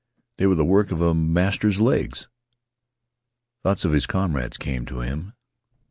They were the work of a master's legs. Thoughts of his comrades came to him.